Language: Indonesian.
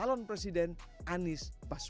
lain lagi dengan nu garis satu